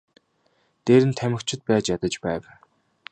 Дээр нь тамхичид байж ядаж байв.